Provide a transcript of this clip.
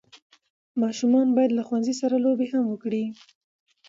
ماشومان باید له ښوونځي سره لوبي هم وکړي.